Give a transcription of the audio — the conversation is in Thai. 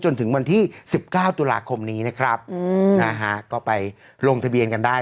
จนถึงวันที่๑๙ตุลาคมนี้นะครับนะฮะก็ไปลงทะเบียนกันได้